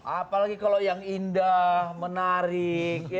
apalagi kalau yang indah menarik